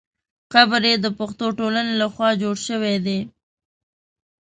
قبر یې د پښتو ټولنې له خوا جوړ شوی دی.